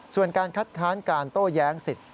ส่วนการคัดค้านการโต้แย้งสิทธิ